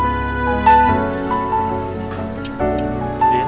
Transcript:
terima kasih juga